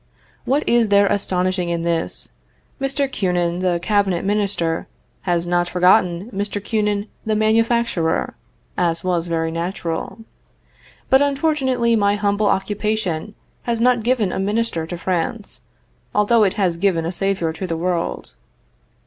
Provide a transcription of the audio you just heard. What is there astonishing in this? Mr. Cunin, the Cabinet Minister, has not forgotten Mr. Cunin, the manufacturer, as was very natural. But unfortunately, my humble occupation has not given a Minister to France, although it has given a Saviour to the world.